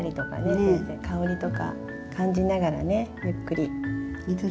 香りとか感じながらねゆっくり。